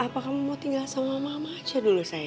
apa kamu mau tinggal sama mama aja dulu saya